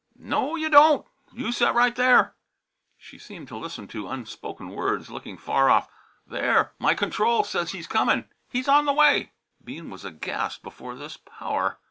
"No, you don't! You set right there!" She seemed to listen to unspoken words, looking far off. "There! My control says he's comin'; he's on the way." Bean was aghast before this power.